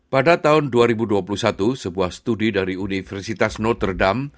pada tahun dua ribu dua puluh satu sebuah studi dari universitas notterdam